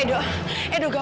sudah benar ya kava